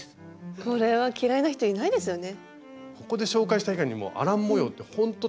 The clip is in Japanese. これは嫌いな人いないですよね。